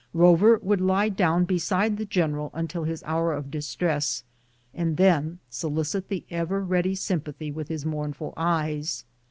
Eover would lie down beside the general un til his hour of distress, and then solicit the ever ready sympathy with his mournful eyes.